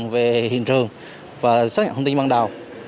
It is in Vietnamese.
về hiện trường và xác nhận thông tin ban đầu